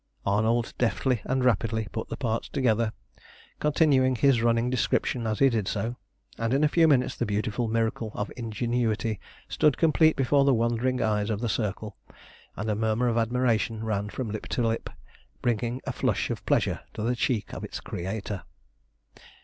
Arnold deftly and rapidly put the parts together, continuing his running description as he did so, and in a few minutes the beautiful miracle of ingenuity stood complete before the wondering eyes of the Circle, and a murmur of admiration ran from lip to lip, bringing a flush of pleasure to the cheek of its creator.